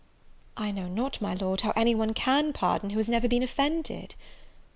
"I know not, my Lord, how any one can pardon, who never has been offended."